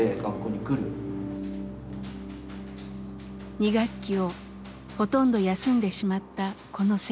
２学期をほとんど休んでしまったこの生徒。